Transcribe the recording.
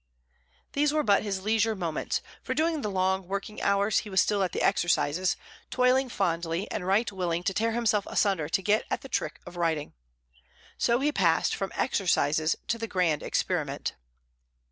These were but his leisure moments, for during the long working hours he was still at the exercises, toiling fondly, and right willing to tear himself asunder to get at the trick of writing. So he passed from exercises to the grand experiment.